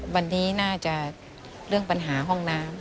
วันนี้น่าจะเรื่องปัญหาห้องน้ำ